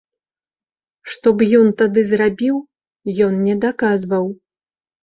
Што б ён тады зрабіў, ён не даказваў.